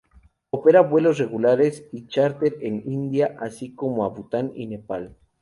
Opera vuelos regulares y charter en India así como a Bután y Nepal.